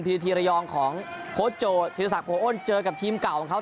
ทีระยองของโค้ชโจธีรศักดิโออ้นเจอกับทีมเก่าของเขา